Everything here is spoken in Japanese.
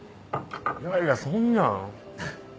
いやいやそんな。